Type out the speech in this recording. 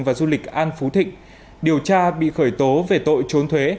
và du lịch an phú thịnh điều tra bị khởi tố về tội trốn thuế